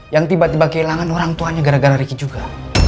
yang tiba tiba kehilangan orang tuanya gara gara riki juga